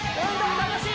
楽しい？